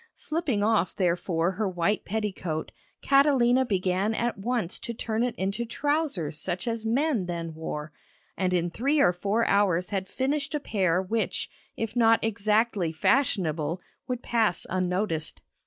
Slipping off therefore her white petticoat, Catalina began at once to turn it into trousers such as men then wore, and in three or four hours had finished a pair which, if not exactly fashionable, would pass unnoticed.